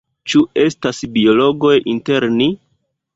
Ĉu estas biologoj inter ni?